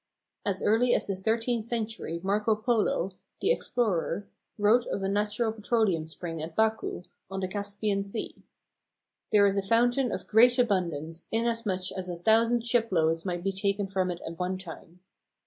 As early as the thirteenth century Marco Polo, the explorer, wrote of a natural petroleum spring at Baku, on the Caspian Sea: "There is a fountain of great abundance, inasmuch as a thousand shiploads might be taken from it at one time.